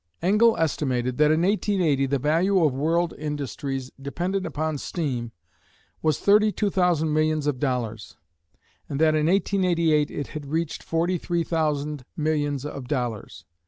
Engel estimated that in 1880 the value of world industries dependent upon steam was thirty two thousand millions of dollars, and that in 1888 it had reached forty three thousand millions of dollars.